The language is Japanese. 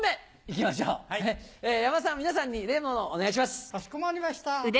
かしこまりました。